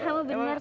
kamu bener sakti